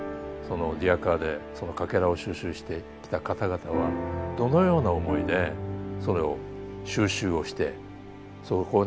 リヤカーでそのかけらを収集してきた方々はどのような思いでそれを収集をしてそこに残していったのか。